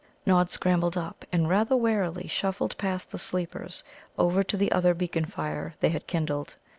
Nod scrambled up, and rather warily shuffled past the sleepers over to the other beacon fire they had kindled.